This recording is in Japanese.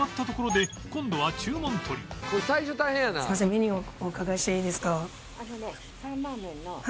メニューをお伺いしていいですか？